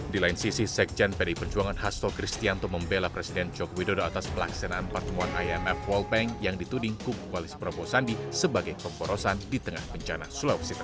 di lain sisi sekjen pdi perjuangan hasto kristianto membela presiden joko widodo atas pelaksanaan pertemuan imf world bank yang dituding kubu koalisi prabowo sandi sebagai pemborosan di tengah bencana sulawesi tengah